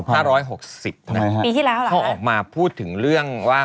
ปีที่ล้าเหรอฮะอเจมส์เขาออกมาพูดถึงเรื่องว่า